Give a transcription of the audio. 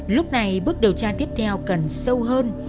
lúc này bước điều tra tiếp theo cần sâu hơn